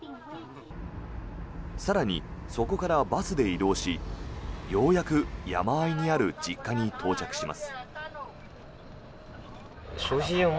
更に、そこからバスで移動しようやく山あいにある実家に到着します。